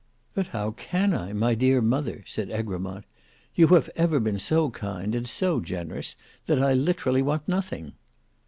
"But how can I, my dear mother?" said Egremont. "You have ever been so kind and so generous that I literally want nothing."